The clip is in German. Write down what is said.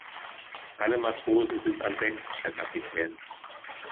Alle Matrosen sind an Deck, Herr Kapitän.